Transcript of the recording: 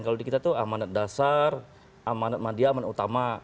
kalau di kita tuh amanat dasar amanat mandi aman utama